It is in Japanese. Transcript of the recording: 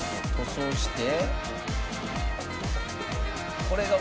そして。